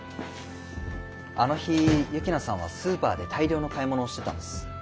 あの日幸那さんはスーパーで大量の買い物をしてたんです。